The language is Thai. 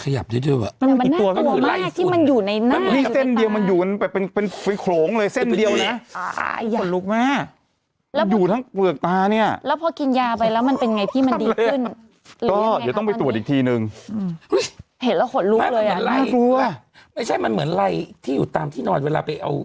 ขยับดูน่ะมันขยับนิดนึงแบบว่ามันมีตัวก็คือไหล่สุดมันมันน่ากลัวมากที่มันอยู่ในหน้า